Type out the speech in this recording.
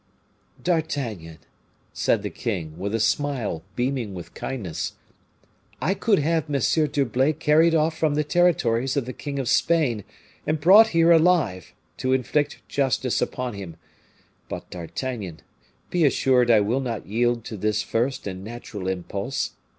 "D'Artagnan," said the king, with a smile beaming with kindness, "I could have M. d'Herblay carried off from the territories of the king of Spain, and brought here, alive, to inflict justice upon him. But, D'Artagnan, be assured I will not yield to this first and natural impulse.